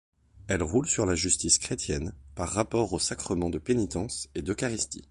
Elle roule sur la justice chrétienne, par rapport aux sacrements de pénitence et d'eucharistie.